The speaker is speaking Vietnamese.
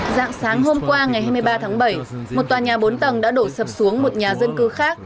dạng sáng hôm qua ngày hai mươi ba tháng bảy một tòa nhà bốn tầng đã đổ sập xuống một nhà dân cư khác